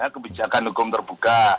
kebijakan hukum terbuka